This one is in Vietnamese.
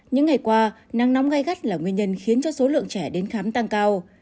những ngày qua nắng nóng gai gắt là nguyên nhân khiến cho số lượng trẻ đến khám tăng cao